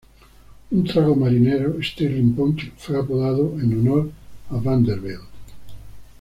Un trago marinero, Stirling Punch, fue apodado en honor a Vanderbilt.